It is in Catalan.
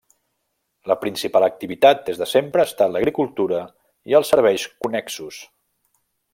La principal activitat des de sempre ha estat l'agricultura i els serveis connexos.